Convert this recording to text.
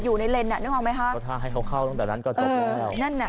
อยู่ในเลนส์นึกออกไหมคะให้เขาเข้าตั้งแต่นั้นก็จบแล้วนั่น